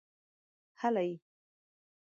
هلئ!